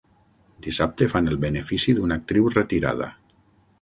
Dissabte fan el benefici d'una actriu retirada.